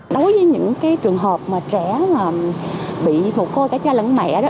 đối với những trường hợp trẻ bị mồ côi cả cha lẫn mẹ